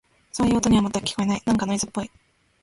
そういう音には、全く聞こえない。なんかノイズっぽい。